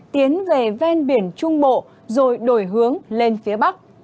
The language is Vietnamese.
tiến về ven biển trung bộ rồi đổi hướng lên phía bắc